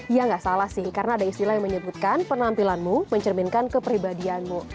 ya nggak salah sih karena ada istilah yang menyebutkan penampilanmu mencerminkan kepribadianmu